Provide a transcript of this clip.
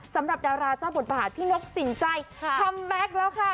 สำหรับดาราเจ้าบทบาทพี่นกสินใจคัมแบ็คแล้วค่ะ